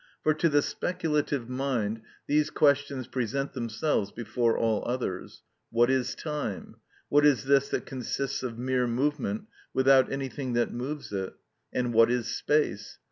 For to the speculative mind these questions present themselves before all others: what is time?—what is this that consists of mere movement, without anything that moves it?—and what is space?